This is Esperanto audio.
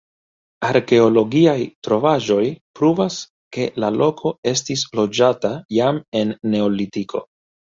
Arkeologiaj trovaĵoj pruvas, ke la loko estis loĝata jam en Neolitiko.